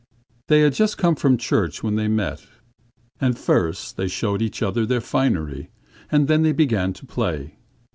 They had just come from church when they met, and first they showed each other their finery, and then they began to play.